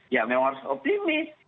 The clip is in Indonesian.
ya memang harus optimis